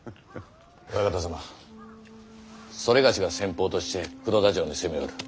オヤカタ様それがしが先方として黒田城に攻めよる。